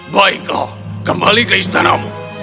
baiklah kembali ke istanamu